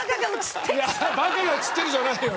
バカがうつってるじゃないよ！